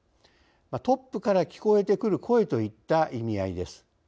トップから聞こえてくる声といった意味合いです。